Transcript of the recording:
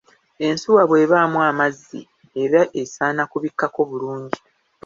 Ensuwa bw'ebaamu amazzi eba esaana kubikkako bulungi.